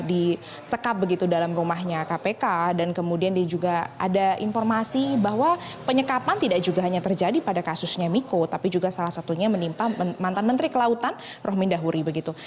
disekap begitu dalam rumahnya kpk dan kemudian dia juga ada informasi bahwa penyekapan tidak juga hanya terjadi pada kasusnya miko tapi juga salah satunya menimpa mantan menteri kelautan rohmindahuri begitu